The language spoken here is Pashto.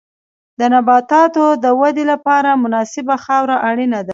د نباتاتو د ودې لپاره مناسبه خاوره اړینه ده.